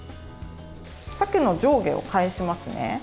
鮭の上下を返しますね。